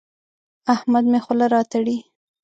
احمد مې خوله راتړي.